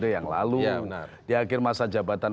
yang lalu di akhir masa jabatan